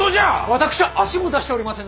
私は足も出しておりませぬ。